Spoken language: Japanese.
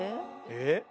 えっ？